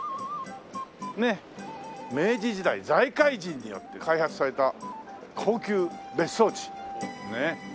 明治時代財界人によって開発された高級別荘地。ねえ。